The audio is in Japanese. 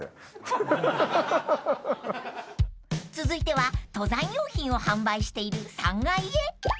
［続いては登山用品を販売している３階へ］